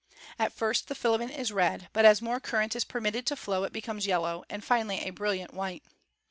At first the filament is red, but as more current is permitted to flow it becomes yellow, and finally a brilliant white.